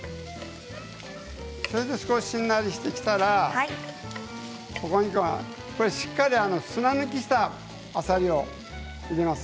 それで、少ししんなりしてきたらしっかりと砂抜きしたあさりを入れます。